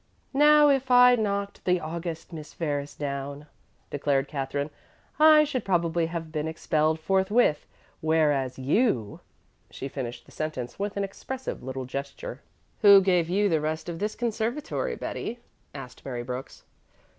"Now if I'd knocked the august Miss Ferris down," declared Katherine, "I should probably have been expelled forthwith. Whereas you " She finished the sentence with an expressive little gesture. "Who gave you the rest of this conservatory, Betty?" asked Mary Brooks.